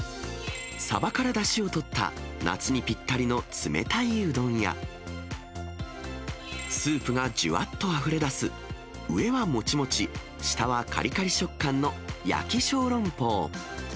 サバからだしをとったなつにぴったりのつめたいうどんや、スープがじゅわっとあふれ出す、上はもちもち、下はかりかり食感の焼き小籠包。